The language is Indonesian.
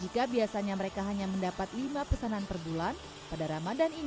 jika biasanya mereka hanya mendapat lima pesanan perbulan pada ramadhan ini sudah ada delapan pesanan